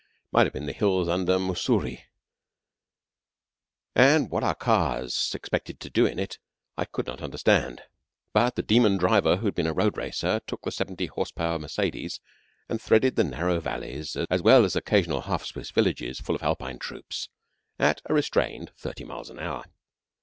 It might have been the hills under Mussoorie, and what our cars expected to do in it I could not understand. But the demon driver who had been a road racer took the 70 h.p. Mercedes and threaded the narrow valleys, as well as occasional half Swiss villages full of Alpine troops, at a restrained thirty miles an hour.